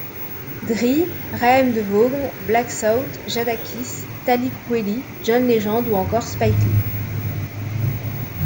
Dre, Raheem Devaughn, Black Thought, Jadakiss, Talib Kweli, John Legend ou encore Spike Lee.